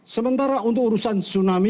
sementara untuk urusan tsunami